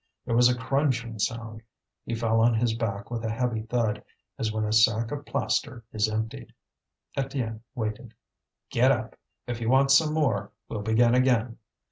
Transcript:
There was a crunching sound; he fell on his back with a heavy thud, as when a sack of plaster is emptied. Étienne waited. "Get up! if you want some more, we'll begin again."